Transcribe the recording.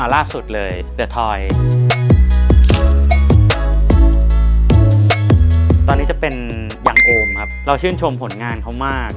เราชื่นชมผลงานเขามาก